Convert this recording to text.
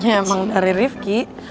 emang dari rifki